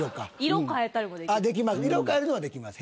色変えるのはできます。